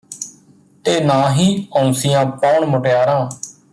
ਤੇ ਨਾ ਹੀ ਔਂਸੀਆਂ ਪਾਉਣ ਮੁਟਿਆਰਾਂ